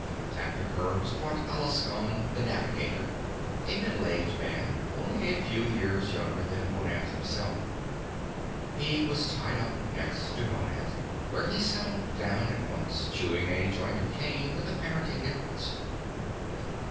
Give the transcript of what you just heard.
After her was brought Alaskon the Navigator, a middle aged man only a few years younger than Honath himself; he was tied up next to Honath, where he settled down at once, chewing at a joint of cane with apparent indifference.